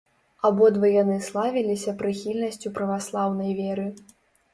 Абодва яны славіліся прыхільнасцю праваслаўнай веры.